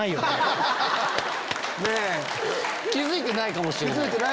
気付いてないかもしれない。